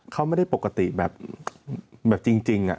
เขาไม่ได้ปกติแบบจริง